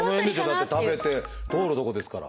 だって食べて通るとこですから。